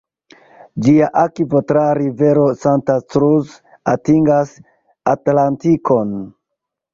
Ĝia akvo tra rivero Santa Cruz atingas Atlantikon.